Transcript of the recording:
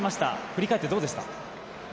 振り返ってどうですか？